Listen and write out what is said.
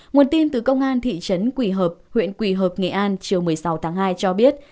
nguồn tin từ công an thị trấn quỳ hợp huyện quỳ hợp nghệ an chiều một mươi sáu tháng hai cho biết